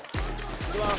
行きます。